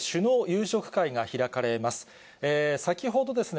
夕食会が開かれます。